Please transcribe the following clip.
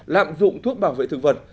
lạm dụng thuốc bảo vệ thực vật